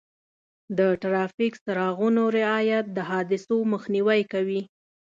د ټرافیک څراغونو رعایت د حادثو مخنیوی کوي.